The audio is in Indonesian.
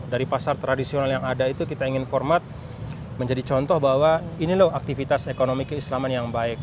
dari pasar tradisional yang ada itu kita ingin format menjadi contoh bahwa ini loh aktivitas ekonomi keislaman yang baik